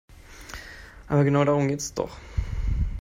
Aber genau darum geht es doch.